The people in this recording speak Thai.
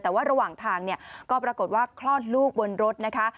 แต่ว่าระหว่างทางเนี่ยก็ปรากฏว่าคลอดลูกบนรถนะคะ